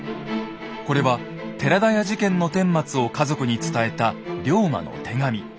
これは寺田屋事件のてんまつを家族に伝えた龍馬の手紙。